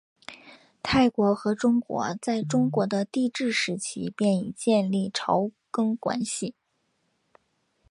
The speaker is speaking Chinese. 泰国和中国在中国的帝制时期便已经建立朝贡关系。